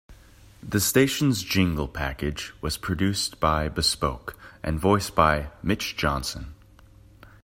The station's jingle package was produced by Bespoke, and voiced by Mitch Johnson.